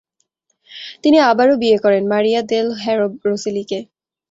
তিনি আবারও বিয়ে করেন, মারিয়া দেল হ্যারো রোসেলিকে।